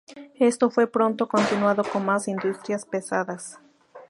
Esto fue pronto continuado con más industrias pesadas.